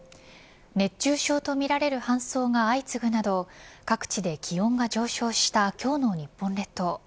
熱中症とみられる搬送が相次ぐなど各地で気温が上昇した今日の日本列島。